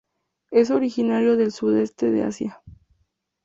Es originario del Sudeste de Asia